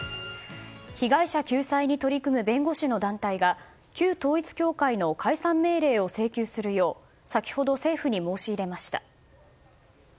被害者救済に取り組む弁護士の団体が旧統一教会の解散命令を請求するよう先ほど政府に申し入れました。